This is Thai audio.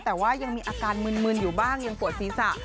แต่ว่ายังมีอาการมืนอยู่บ้างยังปวดศีรษะ